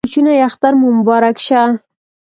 کوچینۍ اختر مو مبارک شه